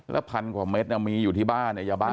แล้วพันกว่าเม็ดมีอยู่ที่บ้านยาบ้า